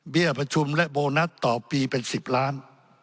ประชุมและโบนัสต่อปีเป็น๑๐ล้าน